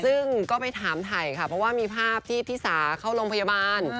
ซึ่งก็ไปถามถ่ายค่ะเพราะว่ามีภาพที่ธิสาเข้าโรงพยาบาล